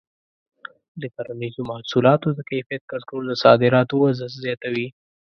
د کرنیزو محصولاتو د کیفیت کنټرول د صادراتو وده زیاتوي.